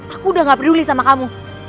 aku udah gak peduli sama kamu